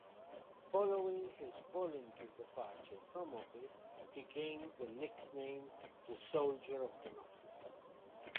Following his voluntary departure from office, he gained the nickname The Soldier of Democracy.